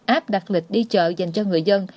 áp đặc lịch đi chợ dành cho người dân